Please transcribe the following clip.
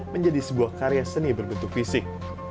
menjadi sebuah karya seni berbentuk fisik